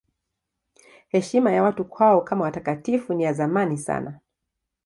Heshima ya watu kwao kama watakatifu ni ya zamani sana.